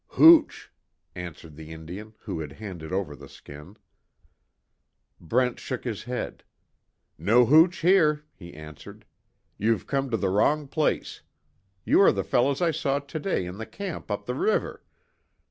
"Hooch," answered the Indian who had handed over the skin. Brent shook his head: "No hooch here," he answered, "You've come to the wrong place. You are the fellow I saw today in the camp up the river.